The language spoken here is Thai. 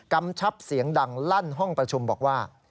กำชับเสียงดังลั่นห้องประชุมบอกว่า